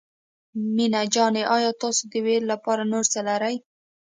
مينه جانې آيا تاسو د ويلو لپاره نور څه لرئ.